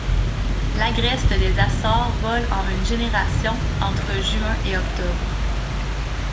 L'Agreste des Açores vole en une génération entre juin et octobre.